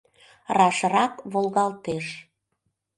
Рашрак волгалтеш.